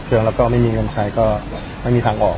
เราก็ไม่มีเงินใช้ก็ไม่มีทางออก